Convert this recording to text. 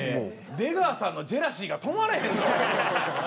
出川さんのジェラシーが止まれへんぞ。